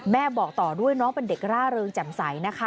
บอกต่อด้วยน้องเป็นเด็กร่าเริงแจ่มใสนะคะ